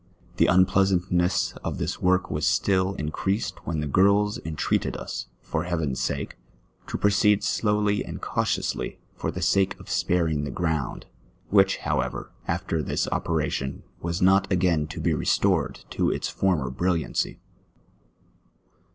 The unpleasantness of this work was still increased when the girls intreated us, for heaven's sake, to proceed slowly and cautiously, for the sake of sparing the ground ; which, however, after this operation, was not again to be restored to its former brilliancy.